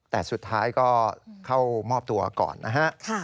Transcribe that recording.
แต่สุดท้ายก็เข้ามอบตัวก่อนนะฮะ